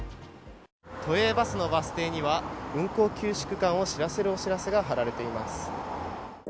都営バスのバス停には運行休止区間を知らせるお知らせが貼られています。